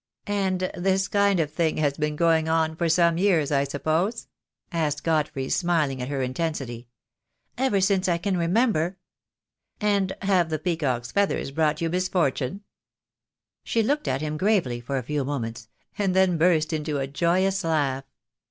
"And this kind of thing has been going on for some years, I suppose?" asked Godfrey, smiling at her intensity. "Ever since I can remember." "And have the peacock's feathers brought you mis fortune?" She looked at him gravely for a few moments, and then burst into a joyous laugh.